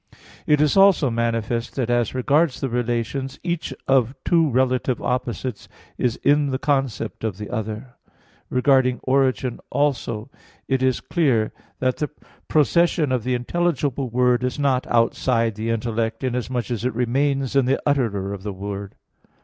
It is also manifest that as regards the relations, each of two relative opposites is in the concept of the other. Regarding origin also, it is clear that the procession of the intelligible word is not outside the intellect, inasmuch as it remains in the utterer of the word.